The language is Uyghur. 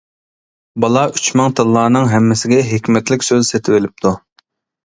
بالا ئۈچ مىڭ تىللانىڭ ھەممىسىگە ھېكمەتلىك سۆز سېتىۋېلىپتۇ.